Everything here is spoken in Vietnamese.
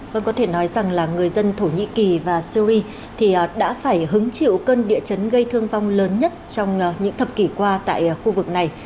vâng có thể nói rằng là người dân thổ nhĩ kỳ và syri thì đã phải hứng chịu cơn địa chấn gây thương vong lớn nhất trong những thập kỷ qua tại khu vực này